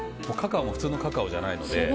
カカオも普通のカカオじゃないので。